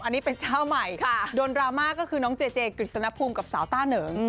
อันนี้เป็นเจ้าใหม่โดนดราม่าก็คือน้องเจเจกฤษณภูมิกับสาวต้าเหนิง